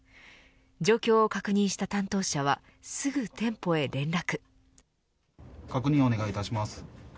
状況を確認した担当者はすぐ店舗へ連絡。